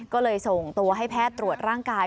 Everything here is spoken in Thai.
ก็เลยส่งตัวให้แพทย์ตรวจร่างกาย